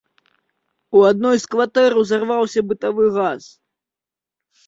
У адной з кватэр узарваўся бытавы газ.